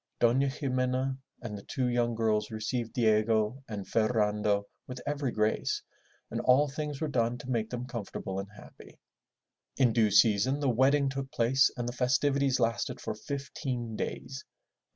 Dona Ximena and the two young girls received Diego and Ferrando with every grace, and all things were done to make them comfortable and happy. In due season the wedding took place and the festivities lasted for fifteen days.